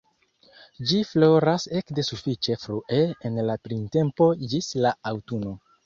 Ĝi floras ekde sufiĉe frue en la printempo ĝis la aŭtuno.